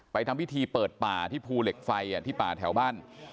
ทำพิธีเปิดป่าที่ภูเหล็กไฟที่ป่าแถวบ้าน